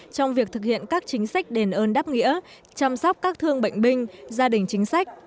trong việc thực hiện các chính sách đền ơn đáp nghĩa chăm sóc các thương bệnh binh gia đình chính sách